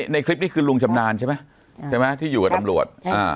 ในคลิปนี้คือลุงชำนาญใช่ไหมใช่ไหมที่อยู่กับตำรวจ